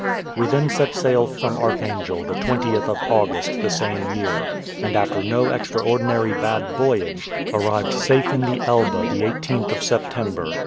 We then set sail from Archangel the 20th of August, the same year; and, after no extraordinary bad voyage, arrived safe in the Elbe the 18th of September.